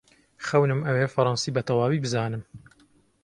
خەونم ئەوەیە فەڕەنسی بەتەواوی بزانم.